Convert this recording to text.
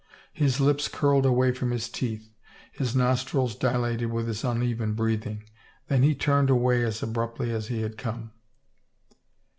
His lips curled away from his teeth. His nostrils dilated with his uneven breathing. Then he turned away as abruptly as he had come.